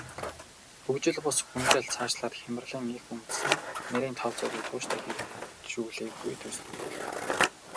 Хөгжил бус хүндрэл, цаашлаад хямралын эх үндэс нь нарийн тооцоогүй, тууштай хэрэгжүүлээгүй төслүүд болдог.